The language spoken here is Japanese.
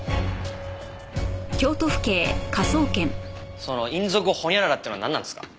その姻族ほにゃららっていうのはなんなんですか？